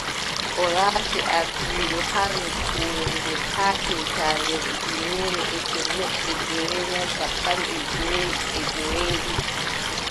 O laati o ardiiɗo haa nokkure nde haa hitaande ujineere e temeɗɗe joweenay cappanɗe jowi e joweeɗiɗi.